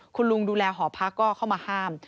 คุณลุงดูแลหอพักก็เข้ามาห้าม